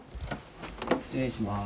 失礼します。